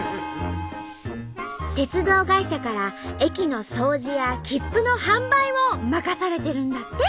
鉄道会社から駅の掃除や切符の販売を任されてるんだって！